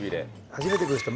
初めて来る人